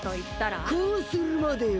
こうするまでよ！